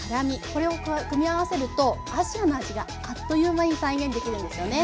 これを組み合わせるとアジアの味があっという間に再現できるんですよね。